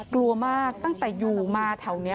กลัวมากตั้งแต่อยู่มาแถวนี้